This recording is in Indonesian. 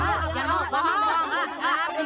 gak mau bangun